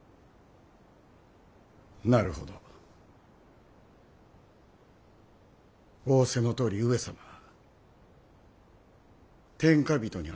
なるほど仰せのとおり上様は天下人にあられましょう！